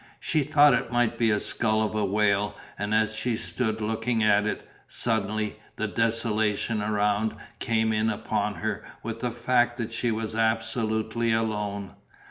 She thought it might be the skull of a whale and as she stood looking at it, suddenly, the desolation around came in upon her with the fact that she was absolutely alone.